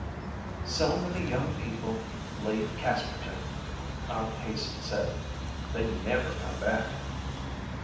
"So many young people leave Casperton," Aunt Haicey said. "They never come back."